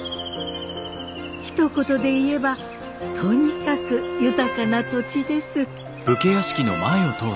ひと言で言えばとにかく豊かな土地です。